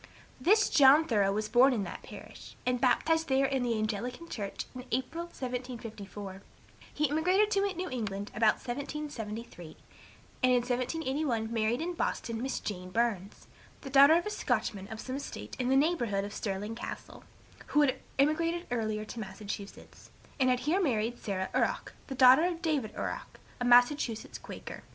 This John Thoreau was born in that parish, and baptized there in the Anglican church, in April, 1754; he emigrated to New England about 1773, and in 1781 married in Boston Miss Jane Burns, the daughter of a Scotchman of some estate in the neighborhood of Stirling Castle, who had emigrated earlier to Massachusetts, and had here married Sarah Orrok, the daughter of David Orrok, a Massachusetts Quaker.